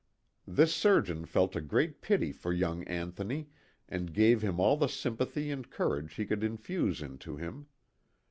This surgeon felt a great pity for young Anthony and gave him all the sympathy and courage he could infuse into him.